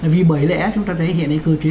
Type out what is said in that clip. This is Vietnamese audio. vì bởi lẽ chúng ta thấy hiện nay cơ chế